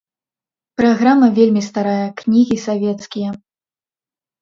Праграма вельмі старая, кнігі савецкія.